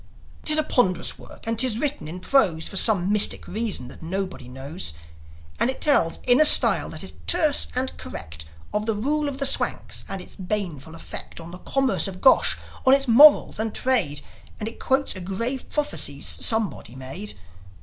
'Tis a ponderous work, and 'tis written in prose, For some mystical reason that nobody knows; And it tells in a style that is terse and correct Of the rule of the Swanks and its baneful effect On the commerce of Gosh, on its morals and trade; And it quotes a grave prophecy somebody made.